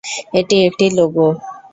এটা একটি লোগো।